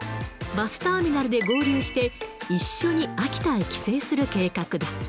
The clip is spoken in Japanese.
バスターミナルで合流して、一緒に秋田へ帰省する計画だ。